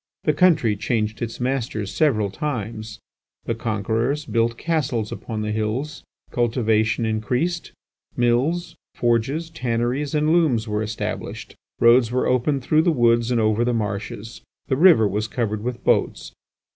The country changed its masters several times. The conquerors built castles upon the hills; cultivation increased; mills, forges, tanneries, and looms were established; roads were opened through the woods and over the marshes; the river was covered with boats.